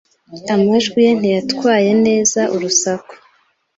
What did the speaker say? Amajwi ye ntiyatwaye neza urusaku.